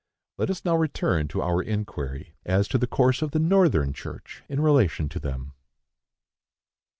Let us now return to our inquiry as to the course of the Northern church in relation to them.